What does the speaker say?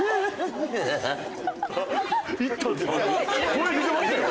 声出てましたよ。